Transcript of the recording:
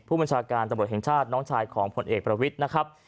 ผู้บัญชาการตำรวจแห่งชาติน้องชายของผลเอกประวิทย์นะครับ